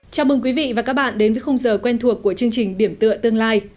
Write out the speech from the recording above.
chào mừng quý vị và các bạn đến với khung giờ quen thuộc của chương trình điểm tựa tương lai